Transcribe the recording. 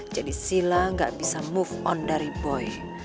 jadi sila gak bisa move on dari boy